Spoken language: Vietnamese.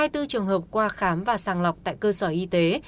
hai mươi bốn trường hợp qua khám và sàng lọc tại cơ sở y tế